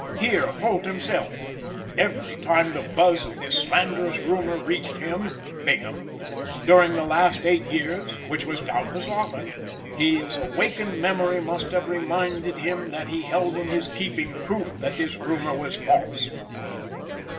Hear Holt himself: "Every time the buzz of this slanderous rumor reached him (Bingham) during the last eight years which was doubtless often his awakened memory must have reminded him that he held in his keeping proof that this rumor was false."